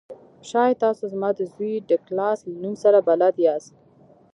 شاید تاسو زما د زوی ډګلاس له نوم سره بلد یاست